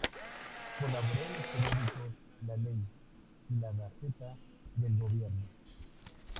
Colaboró en los periódicos "La Ley" y "La Gaceta del Gobierno".